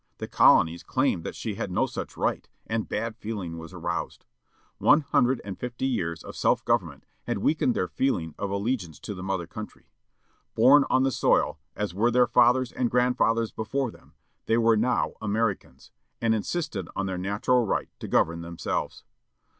The colonies claimed that she had no such right, and bad feeling was aroused. One hundred and fifty years of self government had weakened their feeling of alle giance to the mother country. Bom on the soil, as were their fathers and grand fathers before them, they were now Americans, and insisted on their natural right to govern themselves.